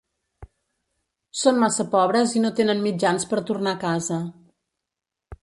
Són massa pobres i no tenen mitjans per tornar a casa.